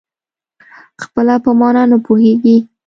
خپله په مانا نه پوهېږي.